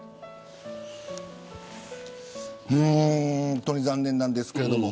本当に残念なんですけれども。